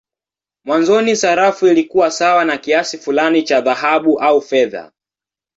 Mwanzoni sarafu ilikuwa sawa na kiasi fulani cha dhahabu au fedha.